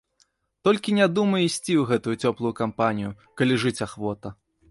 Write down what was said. Толькі не думай ісці ў гэту цёплую кампанію, калі жыць ахвота.